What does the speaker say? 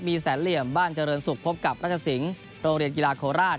มีแสนเหลี่ยมบ้านเจริญศุกร์พบกับรัชสิงศ์โรงเรียนกีฬาโคราช